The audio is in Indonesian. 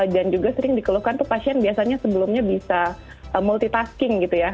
dan juga sering dikeluhkan tuh pasien biasanya sebelumnya bisa multitasking gitu ya